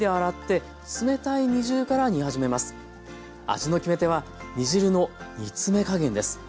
味の決め手は煮汁の煮詰め加減です。